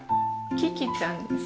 キキちゃんです。